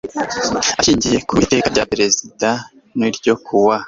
ashingiye ku iteka rya perezida no ryo kuwa